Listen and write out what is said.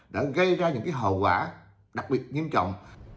đã gây ra những hậu quả đặc biệt nghiêm trọng